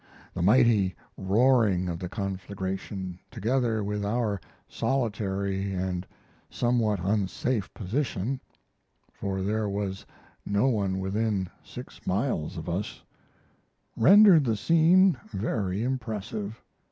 The mighty roaring of the conflagration, together with our solitary and somewhat unsafe position (for there was no one within six miles of us), rendered the scene very impressive.